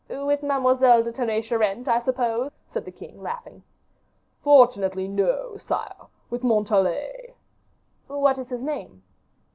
"With Mademoiselle de Tonnay Charente, I suppose?" said the king, laughing. "Fortunately, no, sire; with Montalais." "What is his name?"